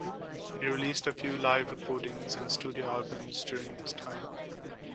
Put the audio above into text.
He released a few live recordings and studio albums during this time.